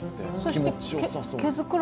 気持ちよさそうです。